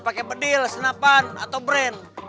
pakai pedil senapan atau brand